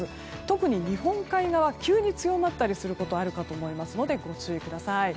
特に日本海側急に強まったりすることあるかと思いますのでご注意ください。